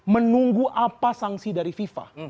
menunggu apa sanksi dari fifa